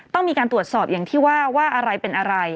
ต้องมีการตรวจสอบอย่างที่ว่าว่าอะไรเป็นอะไร